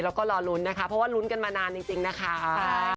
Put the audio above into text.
แล้วก็รอลุ้นนะคะเพราะว่าลุ้นกันมานานจริงนะคะ